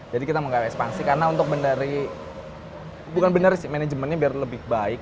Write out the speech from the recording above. jadi kita mau ke ekspansi karena untuk benar benar sih manajemennya biar lebih baik